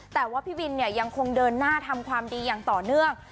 แต่ว่าพี่วินเนี่ยยังคงเดินหน้าทำความดีอย่างต่อเนื่อง